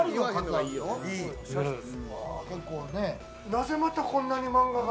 なぜまたこんなに漫画が？